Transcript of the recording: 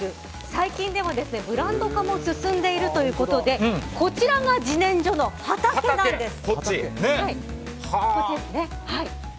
最近では、ブランド化も進んでいるということでこちらが自然薯の畑なんです。